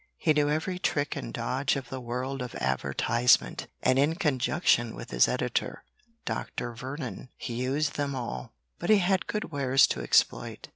He knew every trick and dodge of the world of advertisement, and in conjunction with his editor, Dr. Veron, he used them all. But he had good wares to exploit.